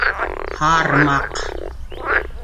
Һармаҡ!